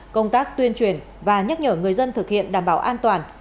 công tác tuyên truyền và nhắc nhở người dân thực hiện đảm bảo an toàn